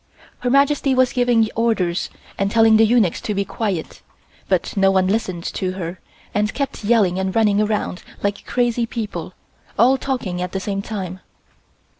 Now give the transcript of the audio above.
Her Majesty was giving orders and telling the eunuchs to be quiet, but no one listened to her and kept yelling and running around like crazy people, all talking at the same time.